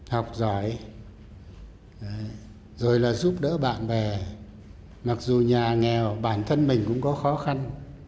học giỏi rồi là giúp đỡ bạn bè mặc dù nhà nghèo bản thân mình cũng có khó khăn